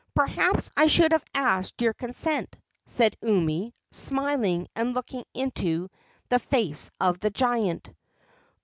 "Perhaps I should have asked your consent," said Umi, smiling and looking up into the face of the giant.